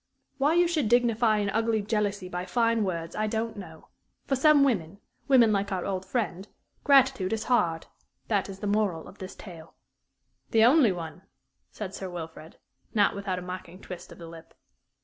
"Why you should dignify an ugly jealousy by fine words I don't know. For some women women like our old friend gratitude is hard. That is the moral of this tale." "The only one?" said Sir Wilfrid, not without a mocking twist of the lip.